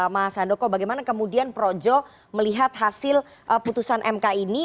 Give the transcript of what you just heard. mas handoko bagaimana kemudian projo melihat hasil putusan mk ini